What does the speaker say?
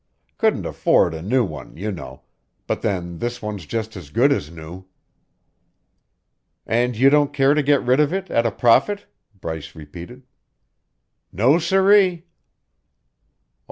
Couldn't afford a new one, you know, but then this one's just as good as new." "And you don't care to get rid of it at a profit?" Bryce repeated. "No, sirree!"